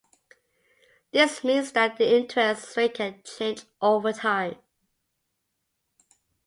This means that the interest rate can change over time.